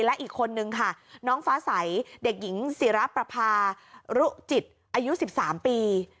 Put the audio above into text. และอีกคนนึงค่ะน้องฟ้าใสเด็กหญิงศิรประพารุจิตอายุ๑๓ปี